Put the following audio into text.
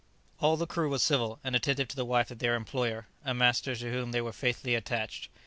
All the crew were civil and attentive to the wife of their employer, a master to whom they were faithfully attached.